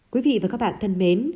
quý vị và các bạn thân mến